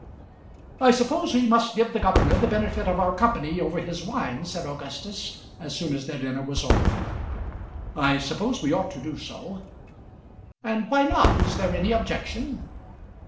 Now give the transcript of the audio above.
"I suppose we must give the governor the benefit of our company over his wine," said Augustus, as soon as their dinner was over. "I suppose we ought to do so." "And why not? Is there any objection?"